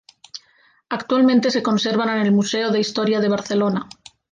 Actualmente se conservan en el Museo de Historia de Barcelona.